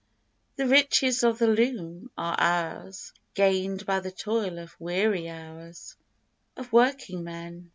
The riches of the loom are ours Gained by the toil of weary hours Of working men.